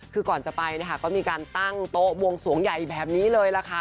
คือก่อนจะไปนะคะก็มีการตั้งโต๊ะบวงสวงใหญ่แบบนี้เลยล่ะค่ะ